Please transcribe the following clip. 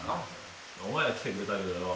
お前ら来てくれたけどよ